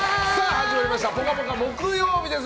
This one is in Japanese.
始まりました「ぽかぽか」木曜日です。